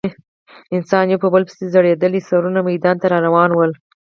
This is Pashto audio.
اسان یو په بل پسې ځړېدلي سرونه میدان ته راروان ول.